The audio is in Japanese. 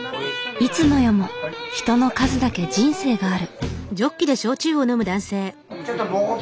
いつの世も人の数だけ人生がある。